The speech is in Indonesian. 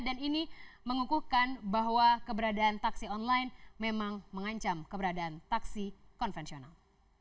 dan ini mengukuhkan bahwa keberadaan taksi online memang mengancam keberadaan taksi konvensional